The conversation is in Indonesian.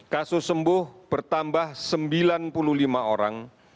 kasus sembuh bertambah sembilan puluh lima orang